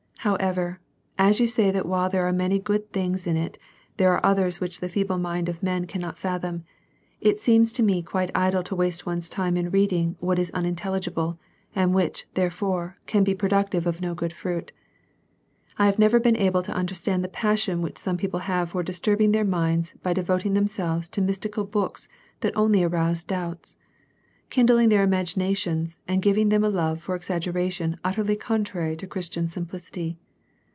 However, as you say that while there are many good things in it, there are others which the feeble mind of man cannot fathom, it seems to me quite idle to waste one's time in reading what is unintelligible, and which, therefore, can be productive of no good fruit. I have never been able to understand the passion which some people have for disturbing their minds by devot ing themselves to mystical books that only arouse doubts, kindling their imaginations, and giving them a love for exag geration utterly contrary to Christian simplicity.